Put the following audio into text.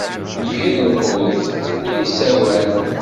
Yir lqut ur issawan.